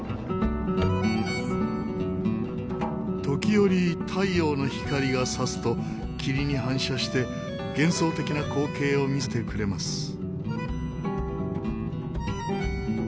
時折太陽の光が差すと霧に反射して幻想的な光景を見せてくれます。